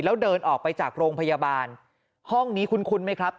แล้วเดินออกไปจากโรงพยาบาลห้องนี้คุ้นไหมครับ